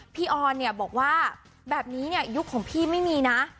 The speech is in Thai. ออนเนี่ยบอกว่าแบบนี้เนี่ยยุคของพี่ไม่มีนะ